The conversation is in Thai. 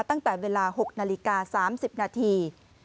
ตั้งแต่เวลา๖นาฬิกา๓๐นาที